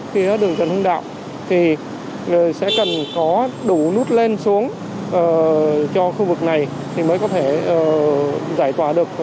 phía đường trần hưng đạo thì sẽ cần có đủ nút lên xuống cho khu vực này thì mới có thể giải tỏa được